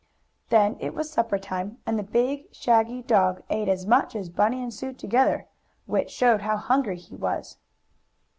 Then it was supper time, and the big, shaggy dog ate as much as Bunny and Sue together, which showed how hungry he was.